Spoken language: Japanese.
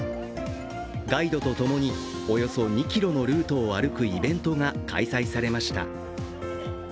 ガイドとともにおよそ２ｋｍのルートを歩くイベントが開催されました。